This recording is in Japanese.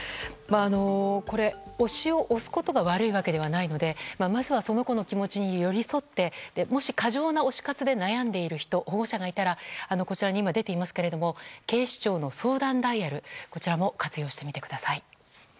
推しを推すことが悪いわけではないのでまずはその子の気持ちに寄り添ってもし、過剰な推し活で悩んでいる人、保護者がいたら今、出ていますが警視庁の相談ダイヤルも活用してみてください。